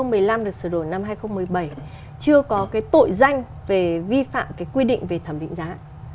bộ luật hình sự hai nghìn một mươi năm được xử lý năm hai nghìn một mươi bảy chưa có cái tội danh về vi phạm cái quy định về thẩm định giá